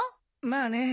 まあね。